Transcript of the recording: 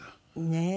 ねえ。